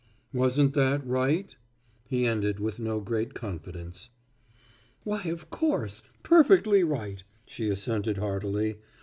"Wasn't that right?" he ended with no great confidence. "Why, of course, perfectly right," she assented heartily.